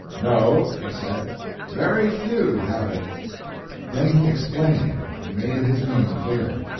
'No,' he said; 'very few have it.' Then he explained, and made his meaning clear.